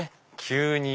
急に。